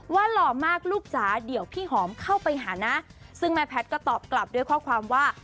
หล่อมากลูกจ๋าเดี๋ยวพี่หอมเข้าไปหานะซึ่งแม่แพทย์ก็ตอบกลับด้วยข้อความว่า